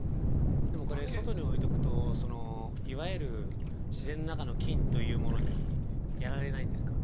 ◆でもこれ、外に置いとくとそのいわゆる自然の中の菌というものにやられないんですか。